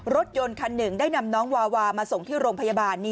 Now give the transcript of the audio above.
รถยนต์คันหนึ่งได้นำน้องวาวามาส่งที่โรงพยาบาล